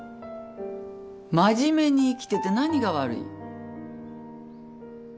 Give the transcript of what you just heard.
真面目に生きてて何が悪い。